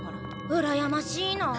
うらやましいなあ。